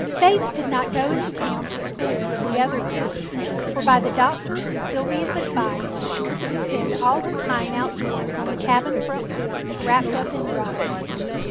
Faith did not go into town to school with the other girls, for by the doctor's and Sylvia's advice she was to spend all her time outdoors on the cabin front porch wrapped up in rugs.